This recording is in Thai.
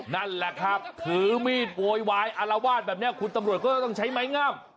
นั่นแหละครับถือมีดโวยวายอารวาสแบบนี้คุณตำรวจก็ต้องใช้ไม้งาม